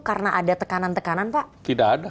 karena ada tekanan tekanan pak tidak ada